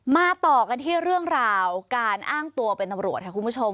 ต่อกันที่เรื่องราวการอ้างตัวเป็นตำรวจค่ะคุณผู้ชม